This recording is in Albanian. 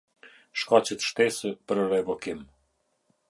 Shkaqet shtesë për revokim.